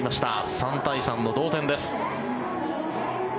３対３の同点です。